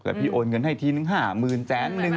หลักพี่โอนเงินให้ทีนึงหามืนแจ๋งนึง